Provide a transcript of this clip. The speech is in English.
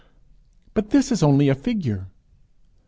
"But this is only a figure."